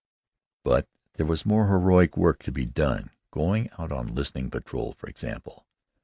But there was more heroic work to be done: going out on listening patrol, for example.